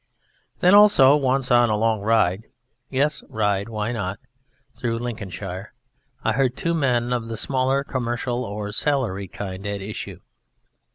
Then also once on a long ride (yes, "ride". Why not?) through Lincolnshire I heard two men of the smaller commercial or salaried kind at issue.